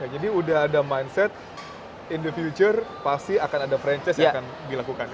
jadi sudah ada mindset in the future pasti akan ada franchise yang akan dilakukan